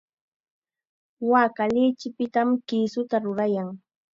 Waaka lichipitam kisuta rurayan.